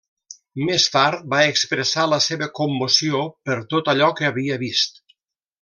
Més tard va expressar la seva commoció per tot allò que havia vist.